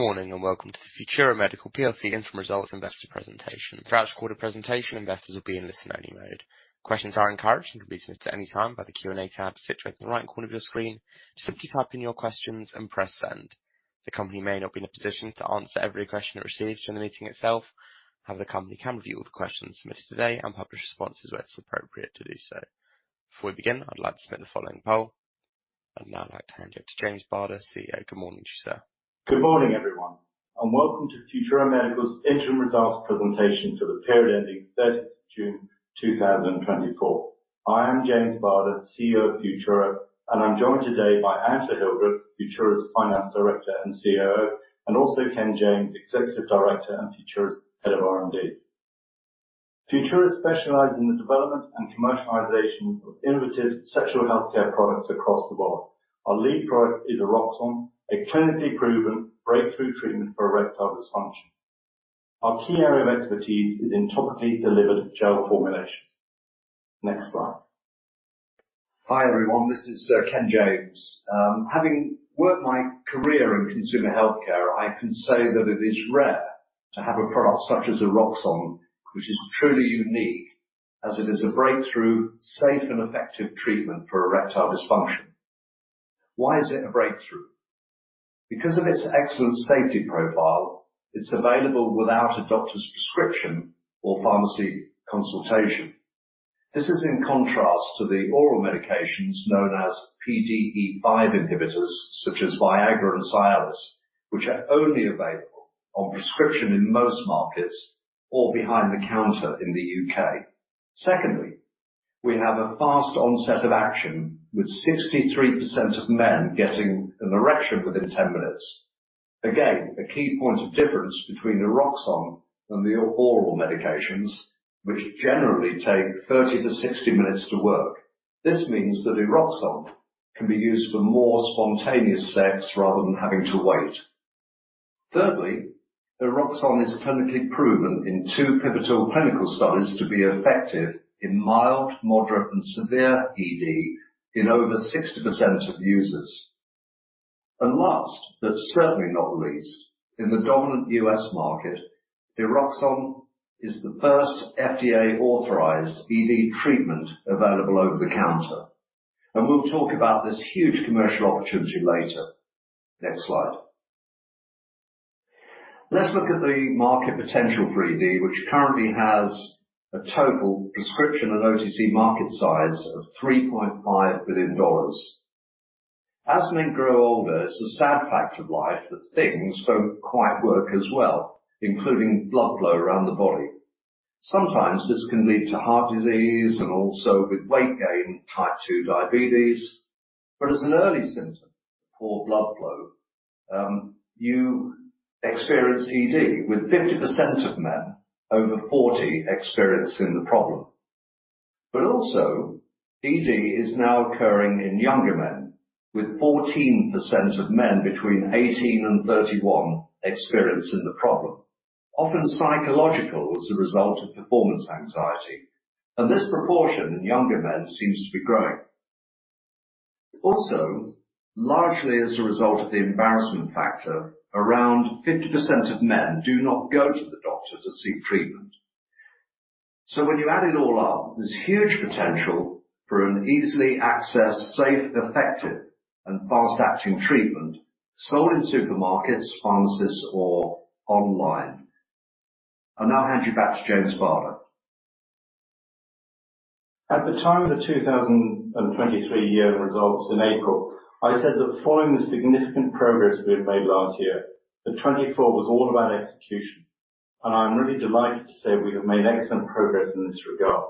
Morning, and welcome to the Futura Medical PLC Interim Results Investor Presentation. Throughout the quarter presentation, investors will be in listen-only mode. Questions are encouraged and can be submitted at any time by the Q&A tab situated in the right corner of your screen. Simply type in your questions and press Send. The company may not be in a position to answer every question it receives during the meeting itself, however, the company can review all the questions submitted today and publish responses where it's appropriate to do so. Before we begin, I'd like to submit the following poll. I'd now like to hand you to James Barder, CEO. Good morning to you, sir. Good morning, everyone, and welcome to Futura Medical's interim results presentation for the period ending 30 june, 2024. I am James Barder, CEO of Futura, and I'm joined today by Angela Hildreth, Futura's Finance Director and COO, and also Ken James, Executive Director and Futura's head of R&D. Futura specializes in the development and commercialization of innovative sexual healthcare products across the board. Our lead product is Eroxon, a clinically proven breakthrough treatment for erectile dysfunction. Our key area of expertise is in topically delivered gel formulation. Next slide. Hi, everyone, this is Ken James. Having worked my career in consumer healthcare, I can say that it is rare to have a product such as Eroxon, which is truly unique as it is a breakthrough, safe, and effective treatment for erectile dysfunction. Why is it a breakthrough? Because of its excellent safety profile, it's available without a doctor's prescription or pharmacy consultation. This is in contrast to the oral medications known as PDE5 inhibitors, such as Viagra and Cialis, which are only available on prescription in most markets or behind the counter in the U.K. Secondly, we have a fast onset of action, with 63% of men getting an erection within 10 minutes. Again, a key point of difference between Eroxon and the oral medications, which generally take 30 to 60 minutes to work. This means that Eroxon can be used for more spontaneous sex rather than having to wait. Thirdly, Eroxon is clinically proven in two pivotal clinical studies to be effective in mild, moderate, and severe ED in over 60% of users. And last, but certainly not least, in the dominant U.S. market, Eroxon is the first FDA-authorized ED treatment available over the counter, and we'll talk about this huge commercial opportunity later. Next slide. Let's look at the market potential for ED, which currently has a total prescription and OTC market size of $3.5 billion. As men grow older, it's a sad fact of life that things don't quite work as well, including blood flow around the body. Sometimes this can lead to heart disease and also with weight gain, type two diabetes. But as an early symptom, poor blood flow, you experience ED, with 50% of men over 40 experiencing the problem. But also, ED is now occurring in younger men, with 14% of men between 18 and 31 experiencing the problem, often psychological as a result of performance anxiety. And this proportion in younger men seems to be growing. Also, largely as a result of the embarrassment factor, around 50% of men do not go to the doctor to seek treatment. So when you add it all up, there's huge potential for an easily accessed, safe, effective, and fast-acting treatment sold in supermarkets, pharmacies or online. I'll now hand you back to James Barder. At the time of the 2023 year-end results in April, I said that following the significant progress we had made last year, that 2024 was all about execution, and I'm really delighted to say we have made excellent progress in this regard.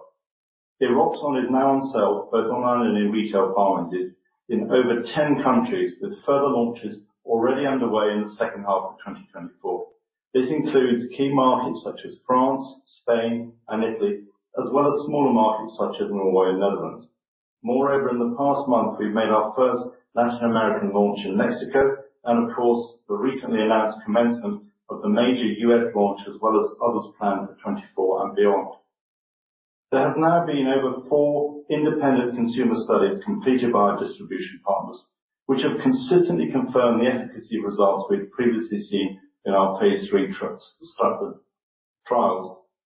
Eroxon is now on sale both online and in retail pharmacies in over 10 countries, with further launches already underway in the second half of 2024. This includes key markets such as France, Spain, and Italy, as well as smaller markets such as Norway and Netherlands. Moreover, in the past month, we've made our first Latin American launch in Mexico, and of course, the recently announced commencement of the major U.S. launch, as well as others planned for 2024 and beyond. There have now been over four independent consumer studies completed by our distribution partners, which have consistently confirmed the efficacy results we've previously seen in our phase three trials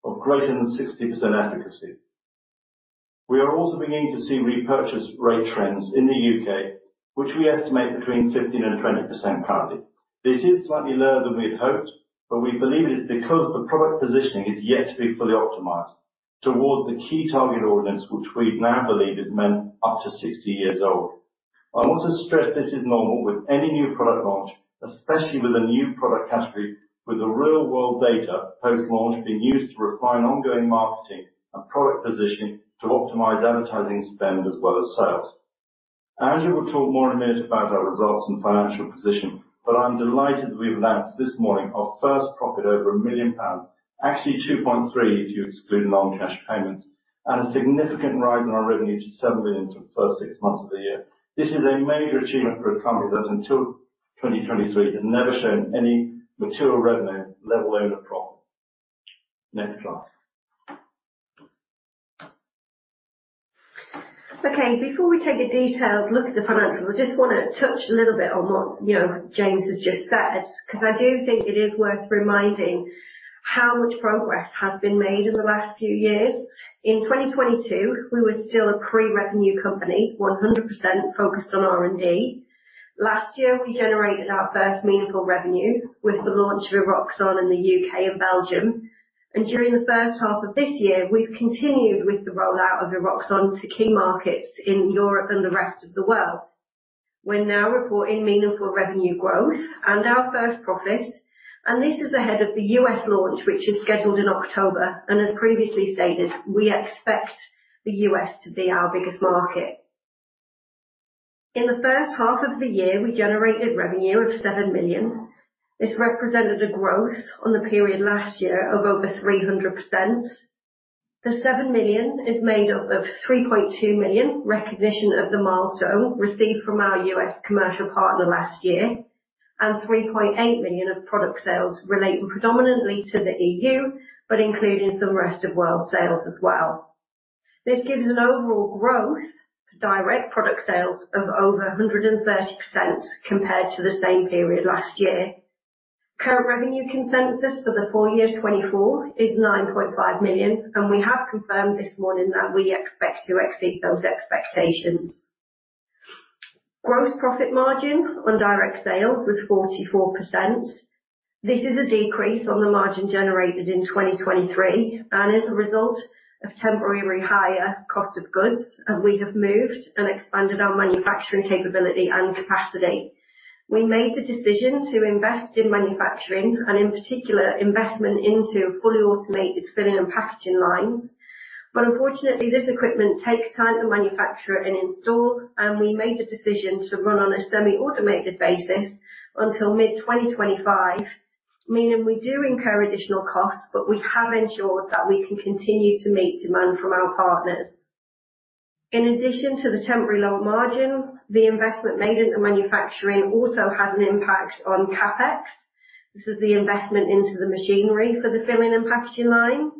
of greater than 60% efficacy. We are also beginning to see repurchase rate trends in the U.K., which we estimate between 15% and 20% currently. This is slightly lower than we had hoped, but we believe it is because the product positioning is yet to be fully optimized towards the key target audience, which we now believe is men up to 60 years old. I want to stress this is normal with any new product launch, especially with a new product category, with the real-world data post-launch being used to refine ongoing marketing and product positioning to optimize advertising spend as well as sales. Angela will talk more in a minute about our results and financial position, but I'm delighted that we've announced this morning our first profit over 1 million pounds, actually 2.3 million, if you exclude non-cash payments, and a significant rise in our revenue to 7 million for the first six months of the year. This is a major achievement for a company that, until 2023, had never shown any material revenue, let alone a profit. Next slide. Okay, before we take a detailed look at the financials, I just wanna touch a little bit on what, you know, James has just said, because I do think it is worth reminding how much progress has been made in the last few years. In 2022, we were still a pre-revenue company, 100% focused on R&D. Last year, we generated our first meaningful revenues with the launch of Eroxon in the U.K. and Belgium, and during the first half of this year, we've continued with the rollout of Eroxon to key markets in Europe and the rest of the world. We're now reporting meaningful revenue growth and our first profit, and this is ahead of the U.S. launch, which is scheduled in October, and as previously stated, we expect the U.S. to be our biggest market. In the first half of the year, we generated revenue of 7 million. This represented a growth on the period last year of over 300%. The 7 million is made up of 3.2 million recognition of the milestone, received from our U.S. commercial partner last year, and 3.8 million of product sales relating predominantly to the EU, but including some rest of world sales as well. This gives an overall growth for direct product sales of over 130% compared to the same period last year. Current revenue consensus for the full year 2024 is 9.5 million, and we have confirmed this morning that we expect to exceed those expectations. Gross profit margin on direct sales was 44%. This is a decrease on the margin generated in 2023 and is a result of temporarily higher cost of goods, as we have moved and expanded our manufacturing capability and capacity. We made the decision to invest in manufacturing and in particular, investment into fully automated filling and packaging lines. But unfortunately, this equipment takes time to manufacture and install, and we made the decision to run on a semi-automated basis until mid-2025, meaning we do incur additional costs, but we have ensured that we can continue to meet demand from our partners. In addition to the temporary lower margin, the investment made into manufacturing also had an impact on CapEx. This is the investment into the machinery for the filling and packaging lines,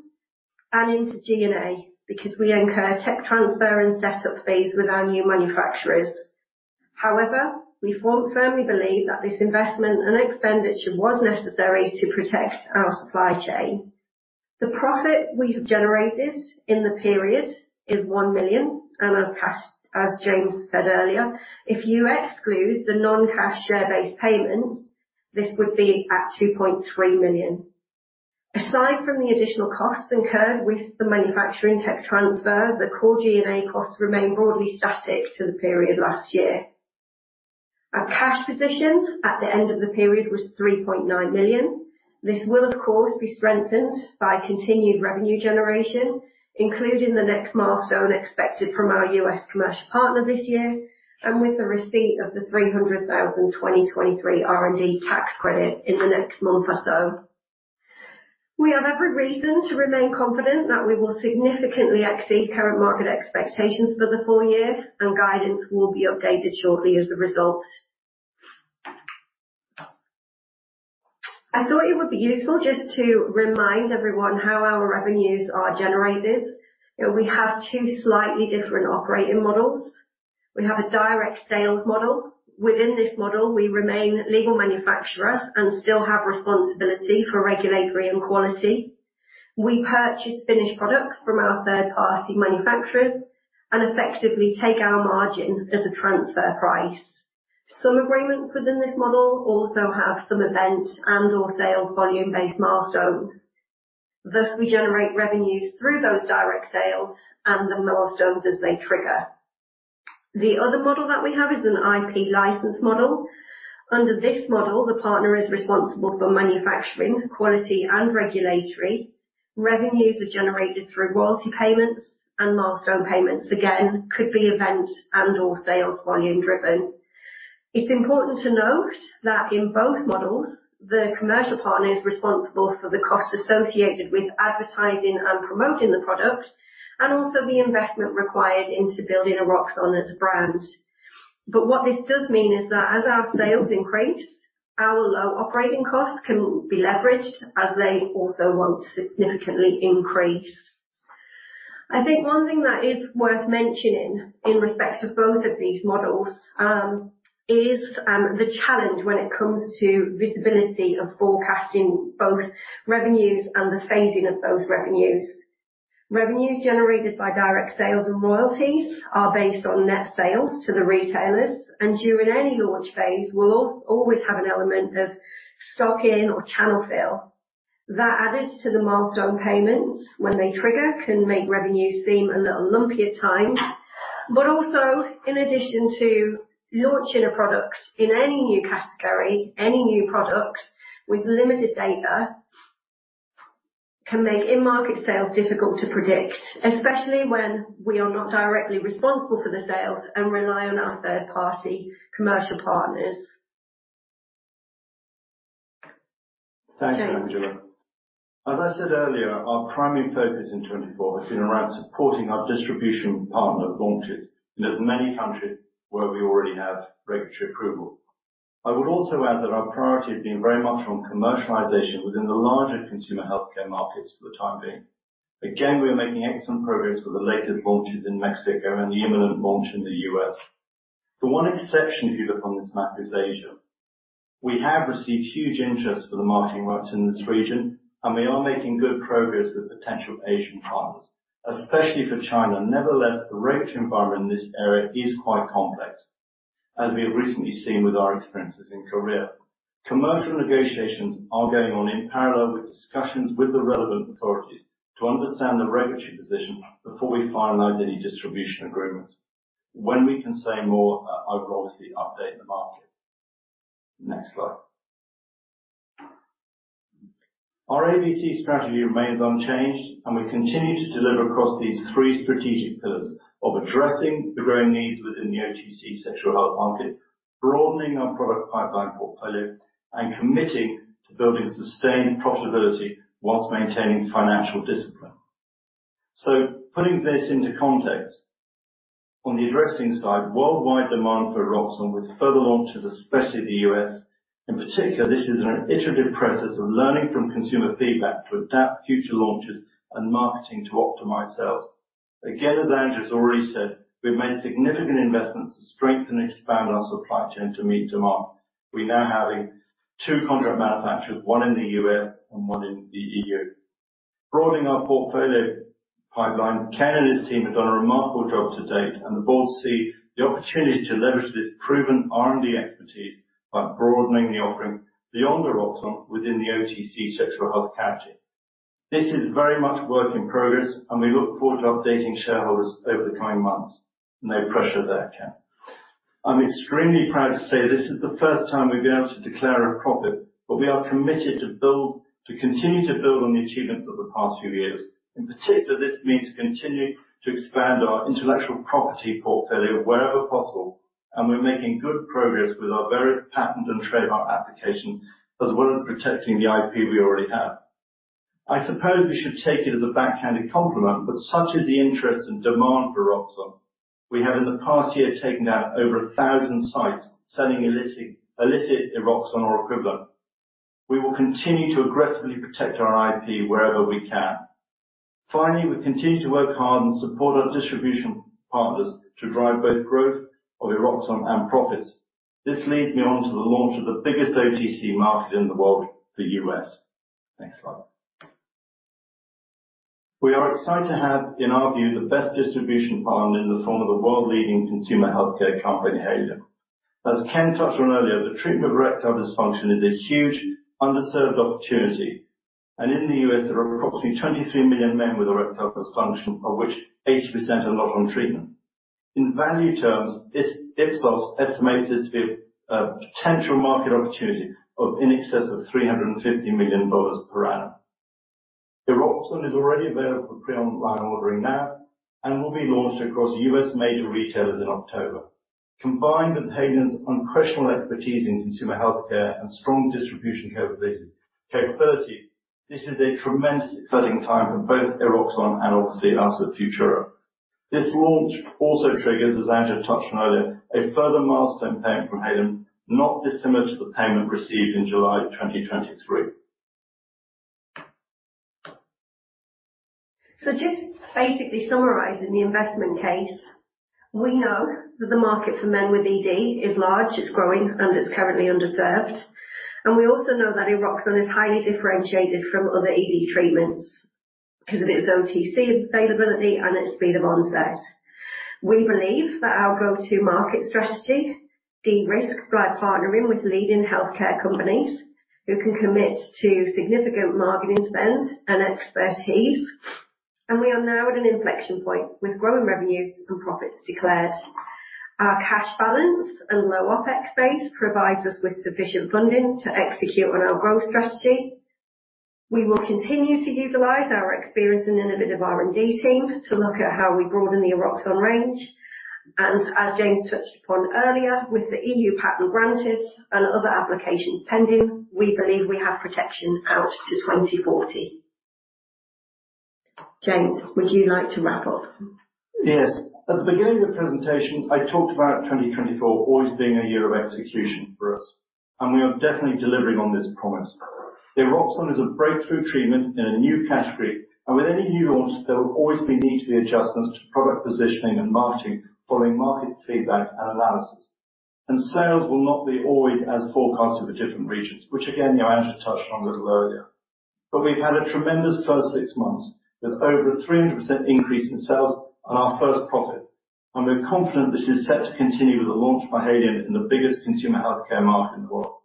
and into G&A, because we incur tech transfer and setup fees with our new manufacturers. However, we firmly believe that this investment and expenditure was necessary to protect our supply chain. The profit we have generated in the period is 1 million, and as James said earlier, if you exclude the non-cash share-based payments, this would be at 2.3 million. Aside from the additional costs incurred with the manufacturing tech transfer, the core G&A costs remain broadly static to the period last year. Our cash position at the end of the period was 3.9 million. This will, of course, be strengthened by continued revenue generation, including the next milestone expected from our U.S. commercial partner this year, and with the receipt of the 300,000 2023 R&D tax credit in the next month or so. We have every reason to remain confident that we will significantly exceed current market expectations for the full year, and guidance will be updated shortly as a result. I thought it would be useful just to remind everyone how our revenues are generated. You know, we have two slightly different operating models. We have a direct sales model. Within this model, we remain legal manufacturer and still have responsibility for regulatory and quality. We purchase finished products from our third-party manufacturers and effectively take our margin as a transfer price. Some agreements within this model also have some event and/or sales volume-based milestones. Thus, we generate revenues through those direct sales and the milestones as they trigger. The other model that we have is an IP license model. Under this model, the partner is responsible for manufacturing, quality, and regulatory. Revenues are generated through royalty payments and milestone payments. Again, could be event and/or sales volume driven. It's important to note that in both models, the commercial partner is responsible for the costs associated with advertising and promoting the product, and also the investment required into building Eroxon as a brand. But what this does mean is that as our sales increase, our low operating costs can be leveraged, as they also won't significantly increase. I think one thing that is worth mentioning in respect to both of these models is the challenge when it comes to visibility of forecasting both revenues and the phasing of those revenues. Revenues generated by direct sales and royalties are based on net sales to the retailers, and during any launch phase, we'll always have an element of stocking or channel fill. That added to the milestone payments when they trigger can make revenue seem a little lumpy at times, but also in addition to launching a product in any new category, any new product with limited data can make in-market sales difficult to predict, especially when we are not directly responsible for the sales and rely on our third-party commercial partners. James? Thanks, Angela. As I said earlier, our primary focus in 2024 has been around supporting our distribution partner launches in as many countries where we already have regulatory approval. I would also add that our priority has been very much on commercialization within the larger consumer healthcare markets for the time being. Again, we are making excellent progress with the latest launches in Mexico and the imminent launch in the U.S. The one exception, if you look on this map, is Asia. We have received huge interest for the marketing rights in this region, and we are making good progress with potential Asian partners, especially for China. Nevertheless, the regulatory environment in this area is quite complex, as we have recently seen with our experiences in Korea. Commercial negotiations are going on in parallel with discussions with the relevant authorities to understand the regulatory position before we finalize any distribution agreements. When we can say more, I will obviously update the market. Next slide. Our ABC strategy remains unchanged, and we continue to deliver across these three strategic pillars of addressing the growing needs within the OTC sexual health market, broadening our product pipeline portfolio, and committing to building sustained profitability while maintaining financial discipline. So putting this into context, on the addressing side, worldwide demand for Eroxon with further launches, especially the U.S. In particular, this is an iterative process of learning from consumer feedback to adapt future launches and marketing to optimize sales. Again, as Angela has already said, we've made significant investments to strengthen and expand our supply chain to meet demand. We're now having two contract manufacturers, one in the US and one in the EU. Broadening our portfolio pipeline, Ken and his team have done a remarkable job to date, and the board see the opportunity to leverage this proven R&D expertise by broadening the offering beyond Eroxon within the OTC sexual health category. This is very much a work in progress, and we look forward to updating shareholders over the coming months. No pressure there, Ken. I'm extremely proud to say this is the first time we've been able to declare a profit, but we are committed to build, to continue to build on the achievements of the past few years. In particular, this means to continue to expand our intellectual property portfolio wherever possible, and we're making good progress with our various patent and trademark applications, as well as protecting the IP we already have. I suppose we should take it as a backhanded compliment, but such is the interest and demand for Eroxon, we have, in the past year, taken down over a thousand sites, selling illicit Eroxon or equivalent. We will continue to aggressively protect our IP wherever we can. Finally, we continue to work hard and support our distribution partners to drive both growth of Eroxon and profits. This leads me on to the launch of the biggest OTC market in the world, the U.S. Next slide. We are excited to have, in our view, the best distribution partner in the form of the world-leading consumer healthcare company, Haleon. As Ken touched on earlier, the treatment of erectile dysfunction is a huge underserved opportunity, and in the U.S., there are approximately 23 million men with erectile dysfunction, of which 80% are not on treatment. In value terms, this Ipsos estimates this to be a potential market opportunity of in excess of $350 million per annum. Eroxon is already available for pre-online ordering now and will be launched across U.S. major retailers in October. Combined with Haleon's unquestionable expertise in consumer healthcare and strong distribution capability, this is a tremendously exciting time for both Eroxon and obviously us at Futura. This launch also triggers, as Angela touched on earlier, a further milestone payment from Haleon, not dissimilar to the payment received in July of 2023. So just basically summarizing the investment case. We know that the market for men with ED is large, it's growing, and it's currently underserved. And we also know that Eroxon is highly differentiated from other ED treatments because of its OTC availability and its speed of onset. We believe that our go-to-market strategy, de-risk by partnering with leading healthcare companies who can commit to significant marketing spend and expertise. And we are now at an inflection point with growing revenues and profits declared. Our cash balance and low OpEx base provides us with sufficient funding to execute on our growth strategy. We will continue to utilize our experienced and innovative R&D team to look at how we broaden the Eroxon range. And as James touched upon earlier, with the EU patent granted and other applications pending, we believe we have protection out to 2040. James, would you like to wrap up? Yes. At the beginning of the presentation, I talked about 2024 always being a year of execution for us, and we are definitely delivering on this promise. Eroxon is a breakthrough treatment in a new category, and with any new launch, there will always be need to be adjustments to product positioning and marketing following market feedback and analysis, and sales will not be always as forecasted for different regions, which, again, Angela touched on a little earlier, but we've had a tremendous first six months, with over a 300% increase in sales and our first profit, and we're confident this is set to continue with the launch by Haleon in the biggest consumer healthcare market in the world.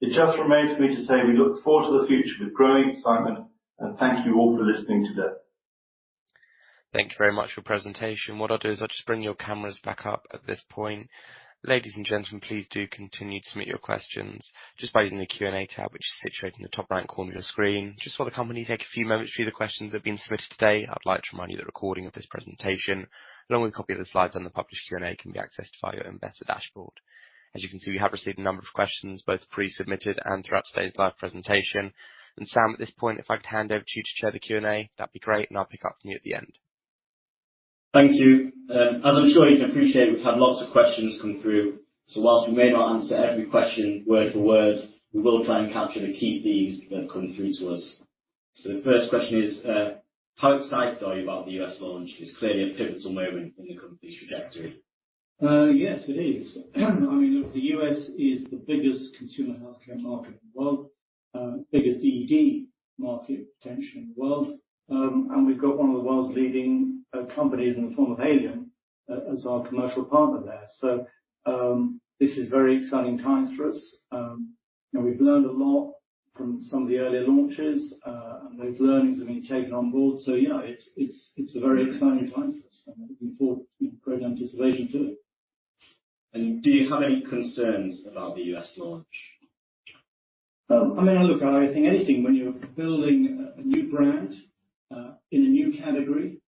It just remains for me to say we look forward to the future with growing excitement, and thank you all for listening today. Thank you very much for your presentation. What I'll do is, I'll just bring your cameras back up at this point. Ladies and gentlemen, please do continue to submit your questions just by using the Q&A tab, which is situated in the top right corner of your screen. Just while the company take a few moments to view the questions that have been submitted today, I'd like to remind you that a recording of this presentation, along with a copy of the slides and the published Q&A, can be accessed via your investor dashboard. As you can see, we have received a number of questions, both pre-submitted and throughout today's live presentation, and Sam, at this point, if I could hand over to you to chair the Q&A, that'd be great, and I'll pick up from you at the end. Thank you. As I'm sure you can appreciate, we've had lots of questions come through, so while we may not answer every question word for word, we will try and capture the key themes that have come through to us. So the first question is, how excited are you about the U.S. launch? It's clearly a pivotal moment in the company's trajectory. Yes, it is. I mean, look, the U.S. is the biggest consumer healthcare market in the world, biggest ED market, potentially, in the world. And we've got one of the world's leading companies in the form of Haleon, as our commercial partner there. So, this is very exciting times for us. You know, we've learned a lot from some of the earlier launches, and those learnings have been taken on board. So, yeah, it's a very exciting time for us, and we're looking forward with great anticipation to it. Do you have any concerns about the U.S. launch? Well, I mean, look, I think anything, when you're building a new brand in a new category,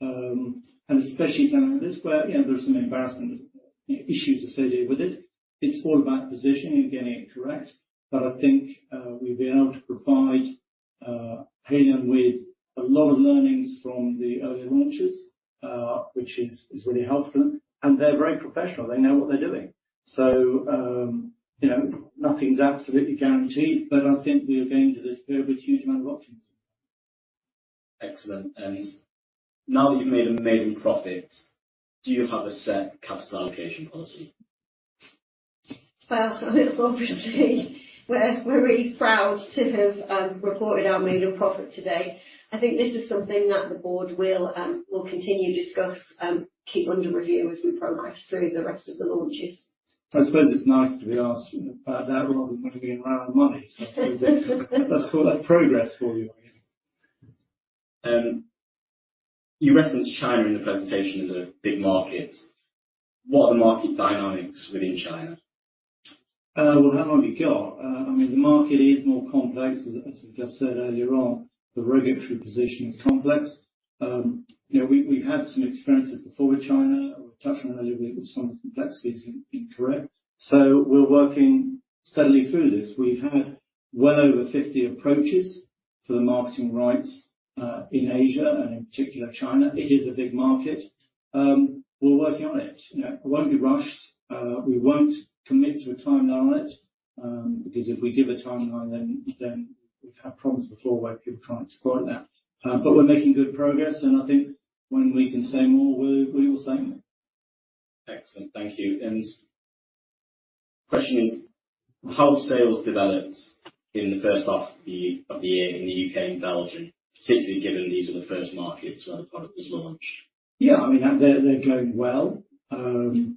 and especially something like this, where you know, there are some embarrassment issues associated with it, it's all about positioning and getting it correct. But I think we've been able to provide Haleon with a lot of learnings from the early launches, which is really helpful. And they're very professional. They know what they're doing. So you know, nothing's absolutely guaranteed, but I think we are going to this with a huge amount of options. Excellent. And now that you've made a maiden profit, do you have a set capital allocation policy? Obviously, we're really proud to have reported our maiden profit today. I think this is something that the board will continue to discuss, keep under review as we progress through the rest of the launches. I suppose it's nice to be asked about that, rather than whether we have a lot of money. So I suppose that's progress for you, I guess. You referenced China in the presentation as a big market. What are the market dynamics within China? Well, how long have you got? I mean, the market is more complex. As we just said earlier on, the regulatory position is complex. You know, we've had some experiences before with China. We'll touch on a little bit with some of the complexities, to be correct. So we're working steadily through this. We've had well over 50 approaches to the marketing rights in Asia, and in particular, China. It is a big market. We're working on it. You know, it won't be rushed. We won't commit to a timeline on it because if we give a timeline, then we've had problems before where people try to exploit that. But we're making good progress, and I think when we can say more, we will say more. Excellent. Thank you. And the question is, how have sales developed in the first half of the year in the U.K. and Belgium, particularly given these are the first markets where the product was launched? Yeah, I mean, they're, they're going well. You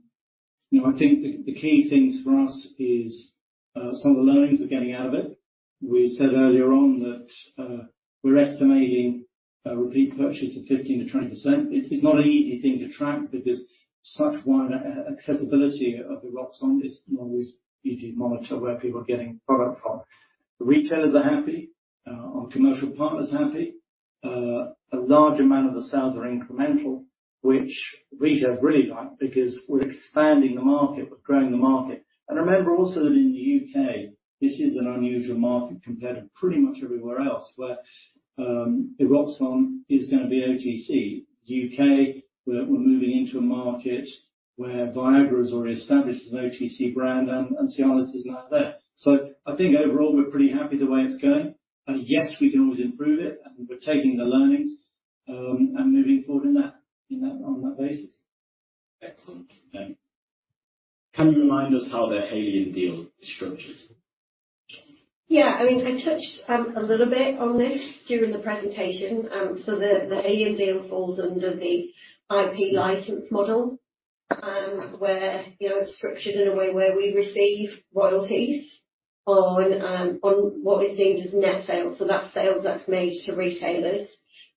know, I think the key things for us is some of the learnings we're getting out of it. We said earlier on that we're estimating repeat purchases of 15%-20%. It's not an easy thing to track because such wide accessibility of Eroxon is not always easy to monitor where people are getting product from. The retailers are happy, our commercial partner is happy. A large amount of the sales are incremental, which retail really like, because we're expanding the market, we're growing the market. And remember also that in the U.K., this is an unusual market compared to pretty much everywhere else, where Eroxon is gonna be OTC. U.K., we're moving into a market where Viagra is already established as an OTC brand, and Cialis is now there. So I think overall, we're pretty happy the way it's going. And yes, we can always improve it, and we're taking the learnings and moving forward in that on that basis. Excellent. Can you remind us how the Haleon deal is structured? Yeah, I mean, I touched a little bit on this during the presentation, so the Haleon deal falls under the IP license model, where, you know, it's structured in a way where we receive royalties on what is deemed as net sales, so that's sales that's made to retailers,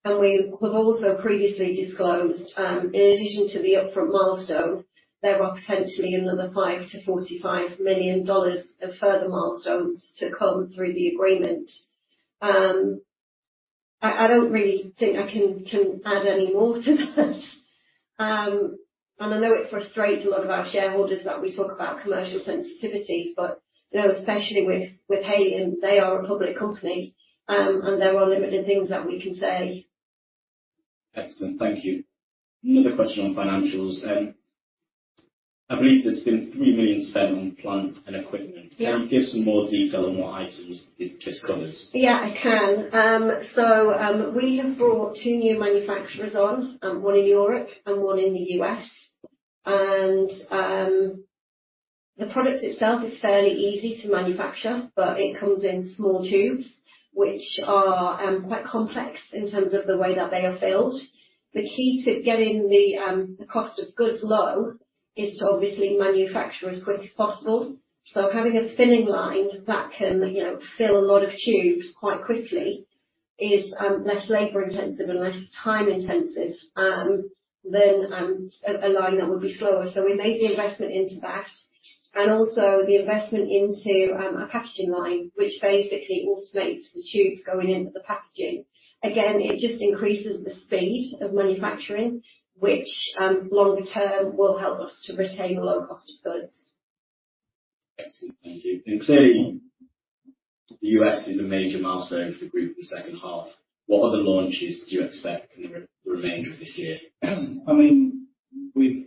and we have also previously disclosed, in addition to the upfront milestone, there are potentially another $5-$45 million of further milestones to come through the agreement. I don't really think I can add any more to that, and I know it frustrates a lot of our shareholders that we talk about commercial sensitivities, but, you know, especially with Haleon, they are a public company, and there are limited things that we can say. Excellent. Thank you. Another question on financials. I believe there's been 3 million spent on plant and equipment. Yeah. Can you give some more detail on what items this just covers? Yeah, I can. So, we have brought two new manufacturers on, one in Europe and one in the US. And, the product itself is fairly easy to manufacture, but it comes in small tubes, which are quite complex in terms of the way that they are filled. The key to getting the cost of goods low is to obviously manufacture as quick as possible. So having a filling line that can, you know, fill a lot of tubes quite quickly is less labor-intensive and less time-intensive than a line that would be slower. So we made the investment into that, and also the investment into a packaging line, which basically automates the tubes going into the packaging. Again, it just increases the speed of manufacturing, which, longer term, will help us to retain a low cost of goods. Excellent. Thank you. And clearly, the U.S. is a major milestone for the group in the second half. What other launches do you expect in the remainder of this year? I mean, we've.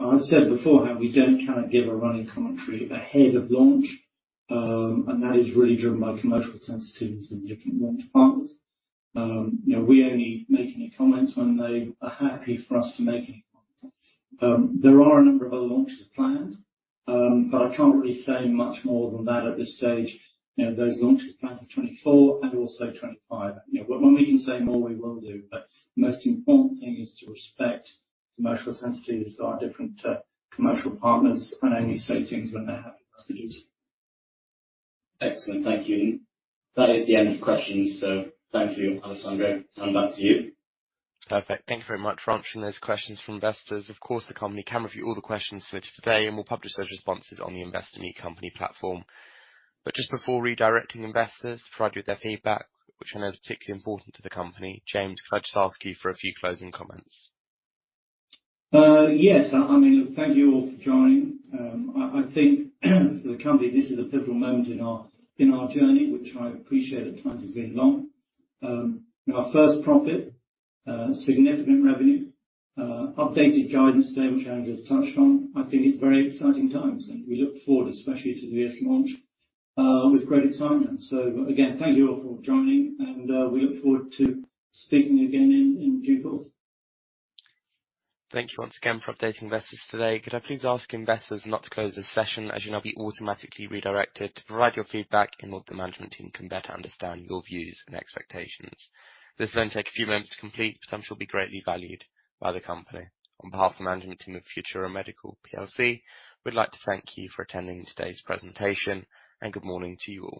I've said beforehand, we cannot give a running commentary ahead of launch, and that is really driven by commercial sensitivities and different launch partners. You know, we only make any comments when they are happy for us to make any comments. There are a number of other launches planned, but I can't really say much more than that at this stage. You know, there's launches planned for 2024 and also 2025. You know, but when we can say more, we will do, but the most important thing is to respect commercial sensitivities of our different commercial partners, and only say things when they're happy for us to do so. Excellent. Thank you. That is the end of questions, so thank you, Alessandro, and back to you. Perfect. Thank you very much for answering those questions from investors. Of course, the company can review all the questions submitted today, and we'll publish those responses on the Investor Meet Company platform. But just before redirecting investors, provide you with their feedback, which I know is particularly important to the company, James. Could I just ask you for a few closing comments? Yes. I mean, thank you all for joining. I think for the company, this is a pivotal moment in our journey, which I appreciate at times is very long. Our first profit, significant revenue, updated guidance today, which Angela has touched on. I think it's very exciting times, and we look forward, especially to the U.S. launch, with great excitement. So again, thank you all for joining and, we look forward to speaking again in due course. Thank you once again for updating investors today. Could I please ask investors not to close this session, as you'll now be automatically redirected to provide your feedback and so the management team can better understand your views and expectations. This may only take a few moments to complete, but shall be greatly valued by the company. On behalf of the management team of Futura Medical PLC, we'd like to thank you for attending today's presentation, and good morning to you all.